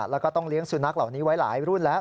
แล้วก็ต้องเลี้ยงสุนัขเหล่านี้ไว้หลายรุ่นแล้ว